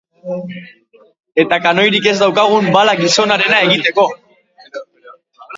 Eta kanoirik ez daukagun, bala gizonarena egiteko.